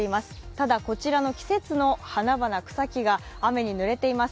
ただこちらの季節の花々、草木が雨にぬれています。